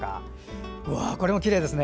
これもきれいですね。